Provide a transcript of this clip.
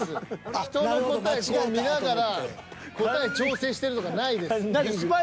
ひとの答え見ながら答え調整してるとかないです。